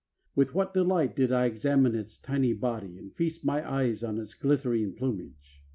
With what delight did I examine its tiny body and feast my eyes on its glittering plumage!